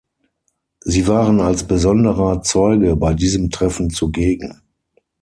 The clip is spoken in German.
Sie waren als besonderer Zeuge bei diesem Treffen zugegen.